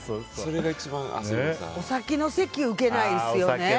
お酒の席、ウケないですよね。